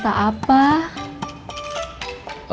terima kasih nanti